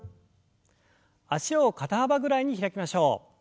脚を肩幅ぐらいに開きましょう。